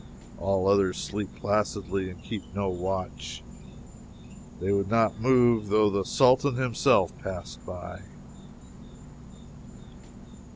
All others sleep placidly and keep no watch. They would not move, though the Sultan himself passed by.